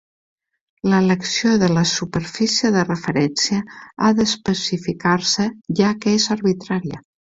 L'elecció de la superfície de referència ha d'especificar-se, ja que és arbitrària.